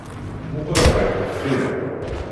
Muqel ɣer deffir-m!